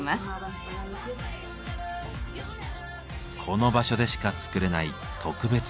この場所でしか作れない特別なラグ。